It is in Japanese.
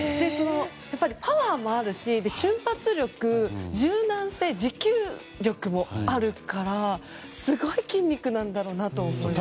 やっぱりパワーもあるし瞬発力柔軟性、持久力もあるからすごい筋肉なんだろうなと思います。